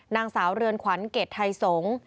นางสาวเรือนขวัญเกรดไทยสงศ์